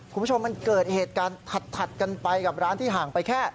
คุณผู้ชมมันเกิดเหตุการณ์ถัดกันไปกับร้านที่ห่างไปแค่